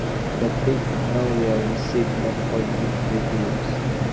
"The Big Nowhere" received many positive reviews.